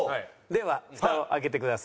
ではふたを開けてください。